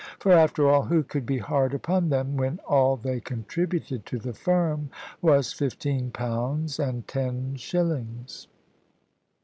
For after all, who could be hard upon them, when all they contributed to the firm was fifteen pounds and ten shillings?